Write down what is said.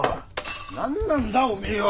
何なんだおめえは！